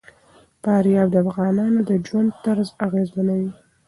فاریاب د افغانانو د ژوند طرز اغېزمنوي.